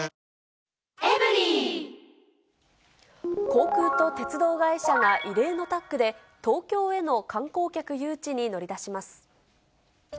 航空と鉄道会社が異例のタッグで、東京への観光客誘致に乗り出します。